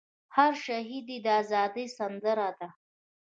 هر شهید ئې د ازادۍ سندره ده